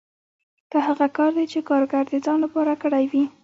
دا هغه کار دی چې کارګر د ځان لپاره کړی وي